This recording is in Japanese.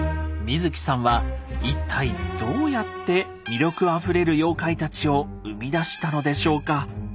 水木さんは一体どうやって魅力あふれる妖怪たちを生み出したのでしょうか。